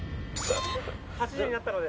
８時になったので。